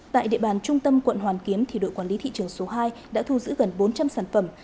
tại địa bàn trung tâm quận hoàn kiếm đội quản lý thị trường số hai đã thu giữ gần bốn trăm linh sản phẩm